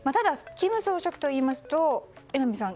金総書記といいますと榎並さん